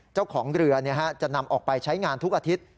เจ้าของเรือจะนำออกไปใช้งานทุกอาทิตย์